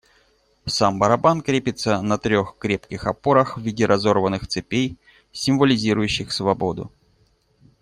Сам барабан крепится на трех крепких опорах в виде разорванных цепей, символизирующих свободу.